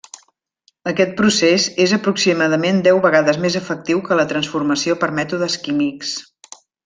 Aquest procés és aproximadament deu vegades més efectiu que la transformació per mètodes químics.